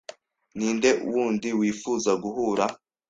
Ninde wundi wifuza guhura?